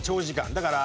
だから。